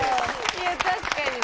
いや確かにね。